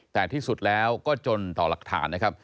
แต่ที่สุดแล้วก็จนต่อหลักฐานนะครับ